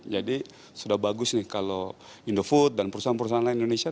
jadi sudah bagus nih kalau indofood dan perusahaan perusahaan lain indonesia